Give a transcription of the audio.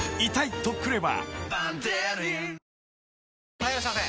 ・はいいらっしゃいませ！